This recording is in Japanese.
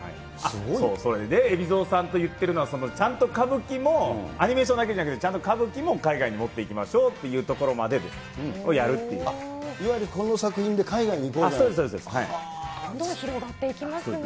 それで海老蔵さんと言ってるのは、ちゃんと歌舞伎も、アニメーションだけじゃなくて、ちゃんと歌舞伎も海外に持っていきましょうというところまでです、いわゆるこの作品で海外に行広がっていきますね。